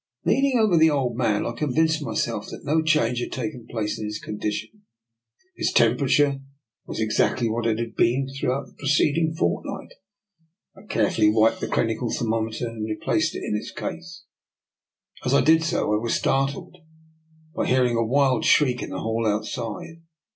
Leaning over the old man, I convinced myself that no change had taken place in his condition; his temperature was exactly what it had been throughout the preceding fortnight. I care fully wiped the clinical thermometer, and re placed it in its case. As I did so, I was startled by hearing a wild shriek in the hall outside.